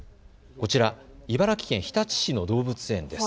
こちら、茨城県日立市の動物園です。